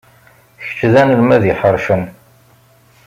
Kečč d anelmad iḥercen.